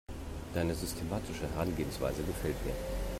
Deine systematische Herangehensweise gefällt mir.